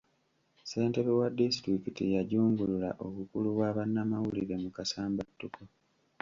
Ssentebe wa disitulikiti yajungulula obukulu bwa bannamawulire mu kasambattuko.